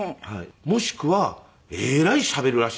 もしくはえらいしゃべるらしいんですよ。